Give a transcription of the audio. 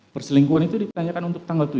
perselingkuhan itu ditanyakan untuk tanggal tujuh